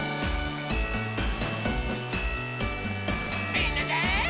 みんなで。